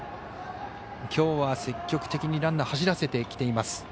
きょうは積極的にランナーを走らせてきています。